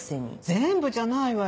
全部じゃないわよ。